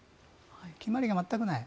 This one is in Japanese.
決まりが全くない。